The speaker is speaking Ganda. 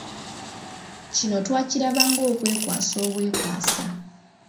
Kino twakiraba ng’okwekwasa obwekwasa.